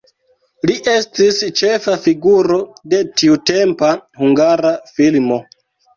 Li estis ĉefa figuro de tiutempa hungara filmo.